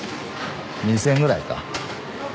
２，０００円ぐらいか。